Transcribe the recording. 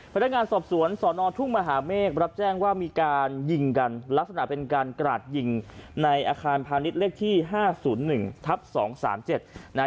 พันธการสอบสวนสอนอทุ่งมหาเมฆรับแจ้งว่ามีการยิงกันลักษณะเป็นการกระดิ่งในอาคารพาณิชย์เลขที่ห้าศูนย์หนึ่งทับสองสามเจ็ดนะฮะ